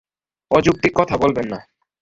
অযৌক্তিক কথা বলবেন না।